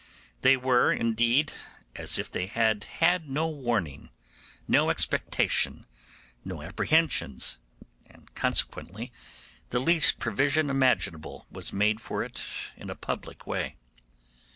They were, indeed, as if they had had no warning, no expectation, no apprehensions, and consequently the least provision imaginable was made for it in a public way.